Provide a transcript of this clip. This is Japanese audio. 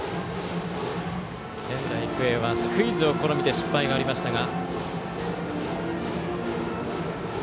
仙台育英はスクイズを試みて失敗がありましたが。